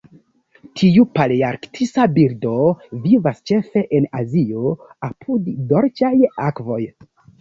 Tiu palearktisa birdo vivas ĉefe en Azio apud dolĉaj akvoj.